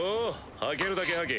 吐けるだけ吐け。